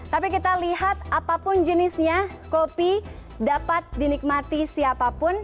tapi kita lihat apapun jenisnya kopi dapat dinikmati siapapun